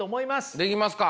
できますか。